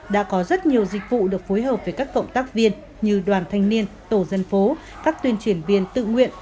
đã có rất nhiều dịch vụ được phối hợp với các cộng tác viên như đoàn thanh niên tổ dân phố các tuyên truyền viên tự nguyện